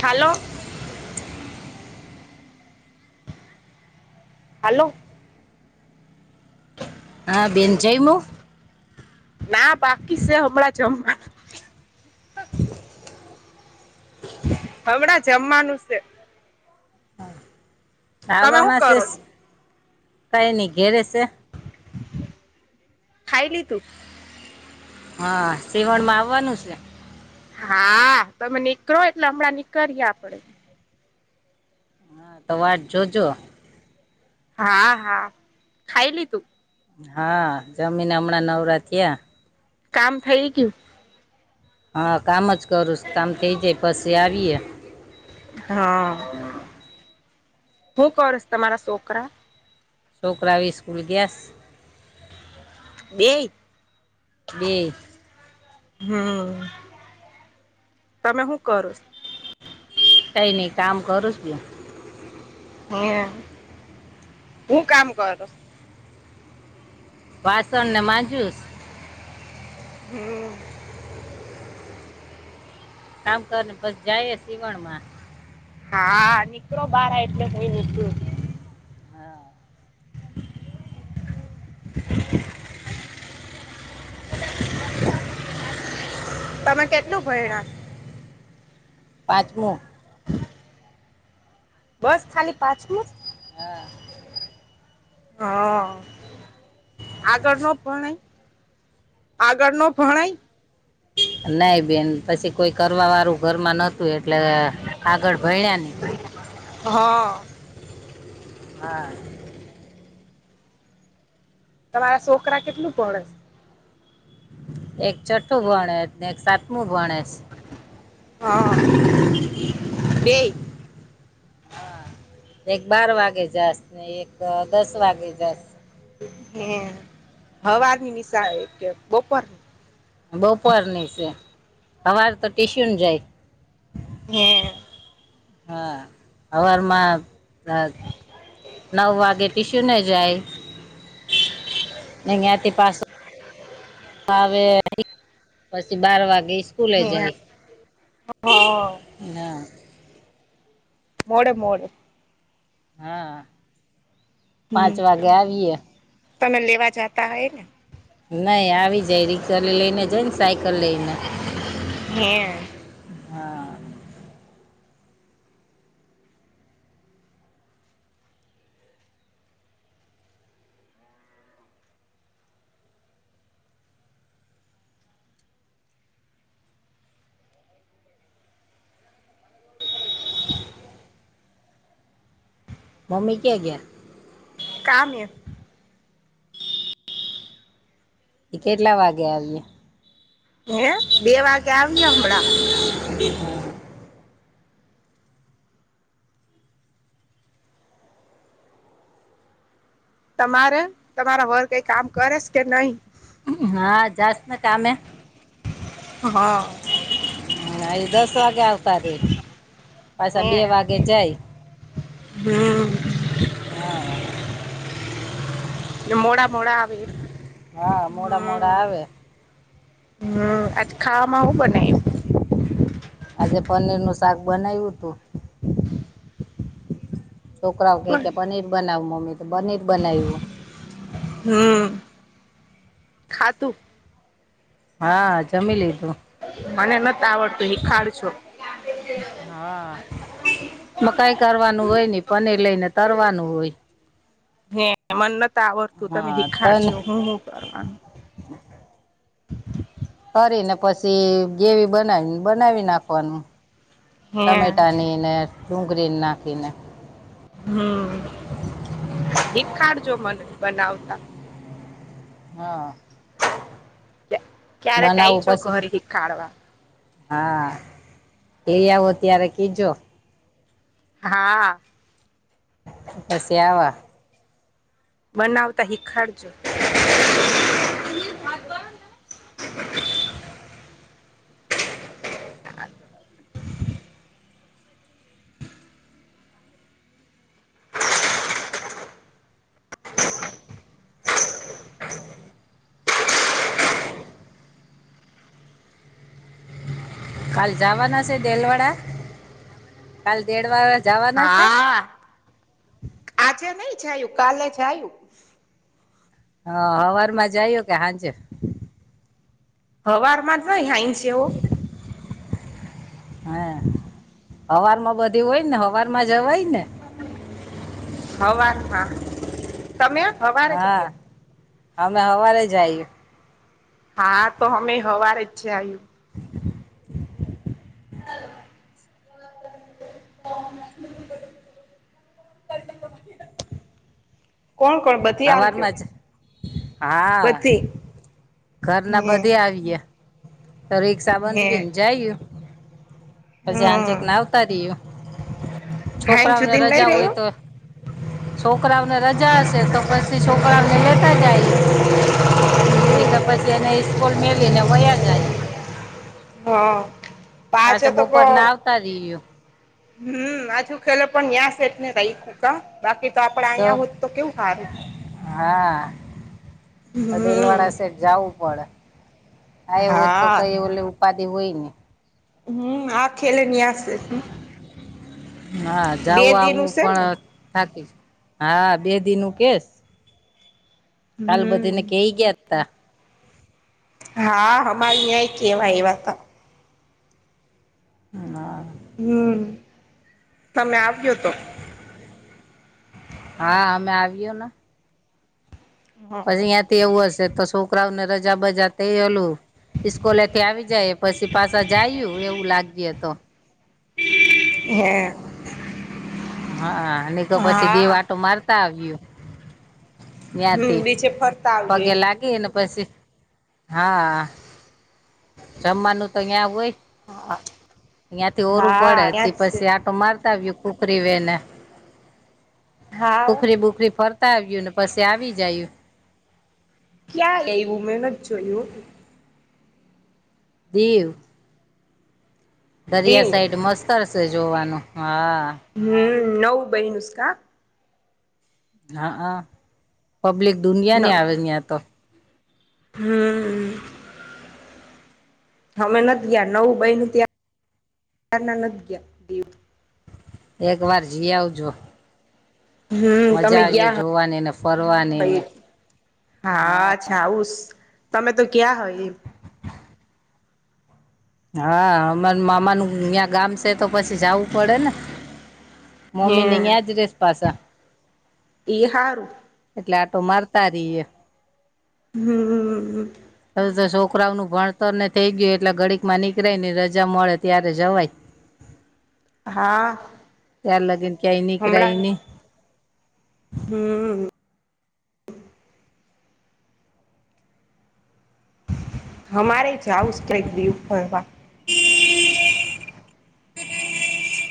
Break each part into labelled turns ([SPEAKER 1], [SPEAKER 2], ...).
[SPEAKER 1] હાલો. Hello
[SPEAKER 2] હા બેનચઇમ
[SPEAKER 1] ના બાકી છે હમણાં જમવા હમણાં જમવાનું છે. તમે શું
[SPEAKER 2] ખવામાં છે
[SPEAKER 1] કરો છો
[SPEAKER 2] કઈ નની ઘેરે છે.
[SPEAKER 1] ખાઈલી તુ
[SPEAKER 2] હા સીવણ માં આવવાનું છે.
[SPEAKER 1] હા તમે નીકરોો એટલે હમણાં નીકરીએ આપડે
[SPEAKER 2] હા તો વા જોજો
[SPEAKER 1] હા હા ખાયલી તુ
[SPEAKER 2] હા જમીન હમણાં નવરા થયા.
[SPEAKER 1] કામ ફેરી કુ
[SPEAKER 2] હા કામ જ કરુંશ કામ થઇ જાય પછી આવીએ
[SPEAKER 1] હા હું કરશ તમારા છોકરા.
[SPEAKER 2] છોકરાઓ સ્સ્કૂલ ગયાસ
[SPEAKER 1] બે
[SPEAKER 2] બેય
[SPEAKER 1] હમ તમે શું કરોછ
[SPEAKER 2] કઈ નહી કામ કરુંછું બેન
[SPEAKER 1] હે હું કામ કરશ
[SPEAKER 2] વાસણને માંજુસ
[SPEAKER 1] હમ
[SPEAKER 2] કામ કર ને પસ જાયે સીવણમાં
[SPEAKER 1] હા નીકળો બારા એટલે હુંય થઈ નીકરૂ
[SPEAKER 2] હા
[SPEAKER 1] [inaudible] તમે કેટલું ભયણા
[SPEAKER 2] પાંચમું
[SPEAKER 1] [inaudible] બસ ખલી પાચમું જ
[SPEAKER 2] હા
[SPEAKER 1] હ આગળ નો ભણાય આગળ નો ભણાઈ
[SPEAKER 2] નઇ બેન પછી કોઈ કરવા વાળું ઘરમાં નતું તું એટલે આગળ ભણ્યા
[SPEAKER 1] હા
[SPEAKER 2] હા
[SPEAKER 1] તમારા છોકરા કેટલું ભણે
[SPEAKER 2] એક છઠ્ઠું ભણે છે ને એક સાતમું ભણે છે
[SPEAKER 1] હા બેય
[SPEAKER 2] એક બાર વાગે જાશ ને એક દસ વાગે જાસ
[SPEAKER 1] હ સવાની નિશાળ હે કે બપોરની.
[SPEAKER 2] બપોરની સે સવાર તો ટીશ્યુન જાય.
[SPEAKER 1] હે
[SPEAKER 2] હા સવારમાં [unintelligible] નવ વાગે ટીસુને નેજાય અહયાથી પાસે આવે [inaudible] પછી બાર વાગે ઈસ્કૂલે
[SPEAKER 1] હે
[SPEAKER 2] જાય.
[SPEAKER 1] હા
[SPEAKER 2] હા.
[SPEAKER 1] મોડે મોડો.
[SPEAKER 2] હા
[SPEAKER 1] હમ
[SPEAKER 2] પાંચવાગે આવીયે.
[SPEAKER 1] તમે લેવા જાતા હોય ને.
[SPEAKER 2] નઇ આવી જાય રિક્ષાને લઈને જાય ને સાયકલ લઈને.
[SPEAKER 1] હે.
[SPEAKER 2] હા. મમ્મી ક્યાં ગ્યા.
[SPEAKER 1] કામેં એ
[SPEAKER 2] એ કેટલા વાગે આવીયે
[SPEAKER 1] હે બેે વાગે આવીશે હમણાં.
[SPEAKER 2] [inaudible]
[SPEAKER 1] તમારે તમારા વર કઈ કામ કરેસ કે નહીિ.
[SPEAKER 2] હા જાસ્ ને કામે
[SPEAKER 1] હ
[SPEAKER 2] ના ઈ દસ વાગે આવતા રે પાછા
[SPEAKER 1] હે
[SPEAKER 2] બે વાગે જાય.
[SPEAKER 1] હમ
[SPEAKER 2] હા હા
[SPEAKER 1] મોડા મોડા. આવે
[SPEAKER 2] હા મોડા મોડા
[SPEAKER 1] હમ
[SPEAKER 2] આવે.
[SPEAKER 1] હમ આજ ખાવામાં સુ બનાયવુ
[SPEAKER 2] આજે પનીર નું શાક બનાવ્યું તુ. છોકરાઓ ક કે પનીર બનાવ મમ્મી તો પનીર બનાવ્યું.
[SPEAKER 1] હમ ખાતું.
[SPEAKER 2] હા જમી લીધું.
[SPEAKER 1] મને નત આવડતું હિખાડજો
[SPEAKER 2] હા. મકાઈ કરવાનું હોય ને પનીર લઈને તરવાનું હોય.
[SPEAKER 1] હે મને ન આવડતું તમે
[SPEAKER 2] હા તન
[SPEAKER 1] હિખાડજો હું શું કરવાનું.
[SPEAKER 2] કરીને પછી ગેવી બનાવી બનાવી નાખવાનું.
[SPEAKER 1] હે
[SPEAKER 2] ટમેટા ની ને ડુંગળી નાખી ને.
[SPEAKER 1] હમ [unintelligible] મને બનાવતા.
[SPEAKER 2] હા.
[SPEAKER 1] ક્યારે કઈ
[SPEAKER 2] બનાવું પછી
[SPEAKER 1] [unintelligible]
[SPEAKER 2] હા એ આવો ત્યારે કીજો.
[SPEAKER 1] હા.
[SPEAKER 2] [unintelligible]
[SPEAKER 1] બનાવતા હિખાડજો. હ.
[SPEAKER 2] કાલ જવાના છે, દેલવાડા કાલ દેડ વાડા જવાના છે.
[SPEAKER 1] હા આજે નઈ જયું કાલે જયું.
[SPEAKER 2] હ હવારમાં જાયું કે હાંજે.
[SPEAKER 1] હવારમાં જ હો. [unintelligible]
[SPEAKER 2] હા હવારમાં બધી હોય ને હવાર માં જવાય ને.
[SPEAKER 1] હવાર [unintelligible] તમે હવારે
[SPEAKER 2] હા
[SPEAKER 1] જાલ્યો.
[SPEAKER 2] અમે હવારે જઈએ.
[SPEAKER 1] હા તો અમે હવારે જ છે, [unintelligible]
[SPEAKER 2] [inaudible]
[SPEAKER 1] [unintelligible]
[SPEAKER 2] [unintelligible]
[SPEAKER 1] કોણ કોણ બ
[SPEAKER 2] [unintelligible] જ હા
[SPEAKER 1] બધી
[SPEAKER 2] ઘરના બધે આવીય તો
[SPEAKER 1] હે હે
[SPEAKER 2] [unintelligible] જાયું પછી આનચેકને
[SPEAKER 1] હમ
[SPEAKER 2] આવતા રહ્યું
[SPEAKER 1] હાઈન
[SPEAKER 2] છોકરાઓને
[SPEAKER 1] સુધી નહી
[SPEAKER 2] રજા હોય
[SPEAKER 1] રહ્યો
[SPEAKER 2] તો. છોકરાઓને રજા હશે તો પછી છોકરાઓને લેતા [unintelligible] [unintelligible] કે પછી એને [unintelligible] મેલીને વયા જય
[SPEAKER 1] હા પાચ
[SPEAKER 2] પાછા
[SPEAKER 1] તો
[SPEAKER 2] બપોર ના આવતા રહ્યું
[SPEAKER 1] હમ માછું ખેલો પણ [unintelligible] છેેટને [unintelligible] બાકી તો આપડે અહીંયા હોત તો કેવું સારું.
[SPEAKER 2] હા
[SPEAKER 1] હમ
[SPEAKER 2] દેલવાડા સેટ જવું પડે. આ એ હોય તો
[SPEAKER 1] હા
[SPEAKER 2] કઈ ઓ ઉપાધિ હોય ને.
[SPEAKER 1] હમ આ ખેલે [unintelligible]
[SPEAKER 2] હા
[SPEAKER 1] બે
[SPEAKER 2] જવું
[SPEAKER 1] દી
[SPEAKER 2] આવું
[SPEAKER 1] નું છે ને
[SPEAKER 2] પણ. થાકી હા બે દિ નું કેસ. કાલ [unintelligible]
[SPEAKER 1] હમ હા [unintelligible] કેવાય એવા હતા.
[SPEAKER 2] હ.
[SPEAKER 1] હમ તમે આવ્યો તો.
[SPEAKER 2] હા અમે [unintelligible] ને. પછી [unintelligible] એવું હશે તો છોકરાઓને રજા બજા થઈલું. ઇસ્કોલેથી આવી જાય પછી પાછા જાયું એવું લાગ્યું તો.
[SPEAKER 1] [inaudible]
[SPEAKER 2] હા તો પછી દે
[SPEAKER 1] હા
[SPEAKER 2] વાટું મારતા આવય્યું.
[SPEAKER 1] હમ
[SPEAKER 2] ત્યાથી
[SPEAKER 1] બીચે ફરતા આવ્યો
[SPEAKER 2] પગે
[SPEAKER 1] એમ
[SPEAKER 2] લાગી ને પછી. હા, જમવાનું તો ન્યા હોય. ન્યાથી ઓરું
[SPEAKER 1] હા
[SPEAKER 2] પડે
[SPEAKER 1] ત્યાં જ છે
[SPEAKER 2] પછી આ તો મારતા આવ્યું કુખરી વને,
[SPEAKER 1] હા
[SPEAKER 2] કુખરી બુખરી ફર આવ્યું ને પછી આવી જયું
[SPEAKER 1] ક્યા એવું મેં નથી જોય્યું.
[SPEAKER 2] દીવ.
[SPEAKER 1] દીવ
[SPEAKER 2] દરિયા સાઈડ મસ્તરશે જોવાનું હા.
[SPEAKER 1] હમ્મ, નવ બયનુસ કા.
[SPEAKER 2] હા હા, પબ્લિક દુનિયા ની આવે ત્યાં તો.
[SPEAKER 1] હમ્મ. અમે નથી ગયા, નવું બયનુ ત્યાં ના નથી ગયા દિવ.
[SPEAKER 2] એક વાર જઈ આવજો.
[SPEAKER 1] હમ્મ તમે
[SPEAKER 2] મજા આવી
[SPEAKER 1] ગયા
[SPEAKER 2] જોવાની ને ફરવાની
[SPEAKER 1] હઈ
[SPEAKER 2] ને
[SPEAKER 1] હા. અચ્છા ઉસ, તમે તો ગ્યા હોય.
[SPEAKER 2] હા હર મામા ન ગામ ત્યાં સ તે તો પછી જવું પડે ને
[SPEAKER 1] હે
[SPEAKER 2] મમ્મી ની ન્યા જ રેસ પાછા.
[SPEAKER 1] ઈ હારું.
[SPEAKER 2] એટલે આટો મારતા રહીએ.
[SPEAKER 1] હમ્મ.
[SPEAKER 2] હવ તો છોકરાઓ નું ભણતર ને થઈ ગયું એટલે ગડીક માં નીકળય ને રજા મળે ત્યારે જવાય.
[SPEAKER 1] હા
[SPEAKER 2] તાર લગીન ક્યાઈ નીકરાઈ નઈ.
[SPEAKER 1] હમ્મ. હમારે જાવું સ ટ્રિપ ફરવા.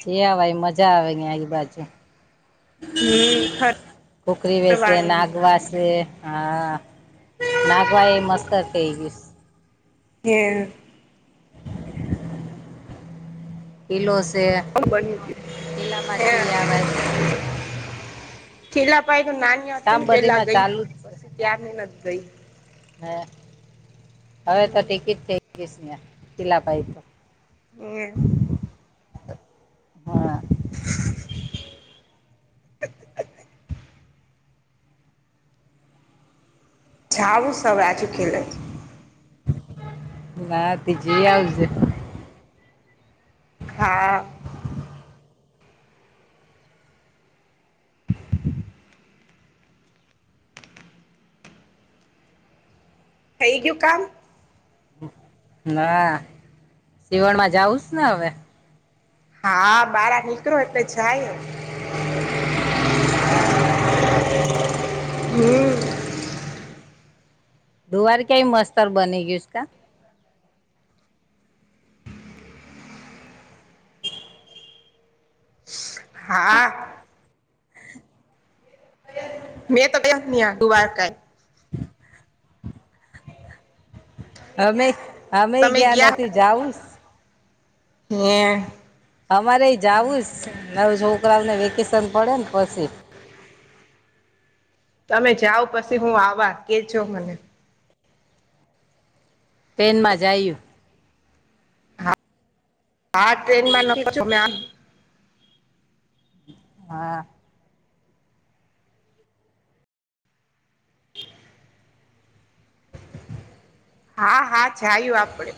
[SPEAKER 2] જઈ આવાય મજા આવે ઈ બાજુ.
[SPEAKER 1] હમ
[SPEAKER 2] ખુકરી વેસે,
[SPEAKER 1] ફરવાનું
[SPEAKER 2] નાગ વાસે. હા નાગવા એ મસ્ત થઈ ગઈશ.
[SPEAKER 1] કે
[SPEAKER 2] કીલો શે
[SPEAKER 1] બની ગયું
[SPEAKER 2] કીલામાં
[SPEAKER 1] હે
[SPEAKER 2] જી આવાય.
[SPEAKER 1] છેેલા પાય તો નાની હ હતી
[SPEAKER 2] કામ
[SPEAKER 1] ને પેલા
[SPEAKER 2] બધીમાં
[SPEAKER 1] ગઈ પછી ત્યારની નથ ગઈ.
[SPEAKER 2] હા હવે તો ટિકિટ થઈ ગઈ સ નયા તીલાપાઈ તો.
[SPEAKER 1] હમ્મ.
[SPEAKER 2] હા
[SPEAKER 1] અ જાવુંસ હવે આજુ ખેડે.
[SPEAKER 2] ના ટી જી આવજે.
[SPEAKER 1] હા. થઈ ગયું કામ?
[SPEAKER 2] ના સીવણમાં જાઉંસ ને હવે.
[SPEAKER 1] હા બારા નીકરો એટલે જાય.
[SPEAKER 2] [inaudible]
[SPEAKER 1] હમ્મ.
[SPEAKER 2] ધવાર ક્યાય મસ્તર બને ગ્યૂસ કા?
[SPEAKER 1] હા.
[SPEAKER 2] [inaudible]
[SPEAKER 1] મેં તો બેઠતી હા દુબારકા.
[SPEAKER 2] અમે અમે
[SPEAKER 1] તમે
[SPEAKER 2] ગયાં નથી જાઉસ?
[SPEAKER 1] યા.
[SPEAKER 2] અમારે એ જવું સ નવે છોકરાઓને વેકેશન પડે ને પછી.
[SPEAKER 1] તમે જાઓ પછી હું આવવા કે જો મને.
[SPEAKER 2] ટ્રેનમાં જાયું.
[SPEAKER 1] આ ટ્રેન માં [unintelligible]
[SPEAKER 2] હા.
[SPEAKER 1] હા, હા જાયું આપડે,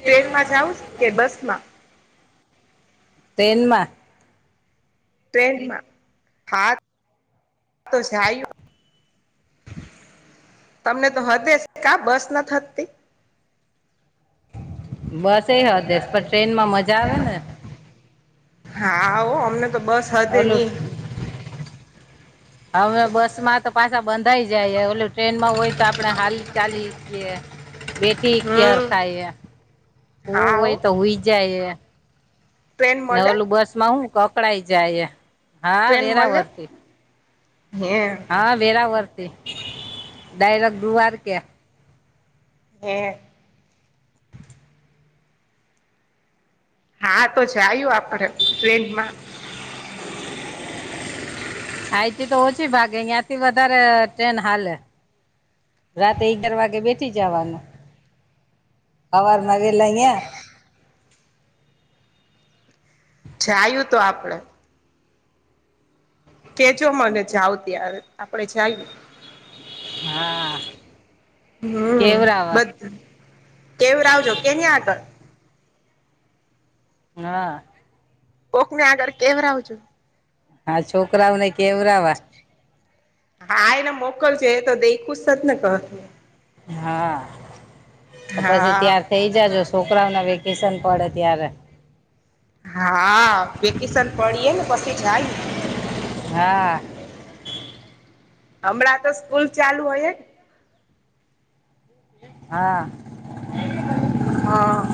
[SPEAKER 1] ટ્રેનમાં જાઉ છ કે બસ માં?
[SPEAKER 2] ટ્રેનમાં.
[SPEAKER 1] ટ્રેનમાં હા તો જાયું તમને તો હદેસ કા બસ નથ હદતી?
[SPEAKER 2] બસ એ હદેસ, પણ ટ્રેન માં મજા આવે ને.
[SPEAKER 1] હા હો અમને તો બસ હદે
[SPEAKER 2] ઓલું
[SPEAKER 1] ની.
[SPEAKER 2] હવે બસ માં તો પાછા બંધાઈ જાય, ઓલું ટ્રેનમાં હોય તો આપણે હાલી ચાલી હકીએ. [unintelligible] કેર
[SPEAKER 1] હમ
[SPEAKER 2] ખાઈએ,
[SPEAKER 1] હા
[SPEAKER 2] હુવું
[SPEAKER 1] હો
[SPEAKER 2] હોય હુંઈ જાઈએ.
[SPEAKER 1] ટ્રેન
[SPEAKER 2] ને
[SPEAKER 1] મળે
[SPEAKER 2] ઓલું બસ માં હું કે અકળાય જાઈએ.
[SPEAKER 1] ટ્રેન મલે હે?
[SPEAKER 2] હા વેરાવળ થી, ડાયરેક્ટ દ્ધારકે.
[SPEAKER 1] હે. હા તો જાયું આપણે ટ્રેન માં.
[SPEAKER 2] આઈથી તો ઓછી ભાગે, ન્યાં થી વધારે ટ્રેન હાલે. રાતે ઈગાર વાગે બેઠી જવાનું, હવાર માં વહેલા ઈયાં.
[SPEAKER 1] જાયું તો આપણેે. કેજો મને જાવ ત્યારે, આપડે જાયું.
[SPEAKER 2] હા
[SPEAKER 1] હમ્મ,
[SPEAKER 2] કેવરાવા
[SPEAKER 1] બધ કેવડાવજો કેની આગળ.
[SPEAKER 2] હા.
[SPEAKER 1] કોકની આગળ કેવડાવજો.
[SPEAKER 2] હા, છોકરાઓને કેવરાવા.
[SPEAKER 1] હા, એને મોકલજે એ તો દેઈખું જ સે ને ઘર.
[SPEAKER 2] હા. તો પછી
[SPEAKER 1] હા
[SPEAKER 2] ત્યાર થઇ જોજો સોકરાઓના વેકેશન પડે ત્યારે.
[SPEAKER 1] હા, વેકેશન પડીએ ને પસી જાય.
[SPEAKER 2] હા.
[SPEAKER 1] હમણા તો સ્કૂલ ચાલુ હોઈએ
[SPEAKER 2] હા.
[SPEAKER 1] હા.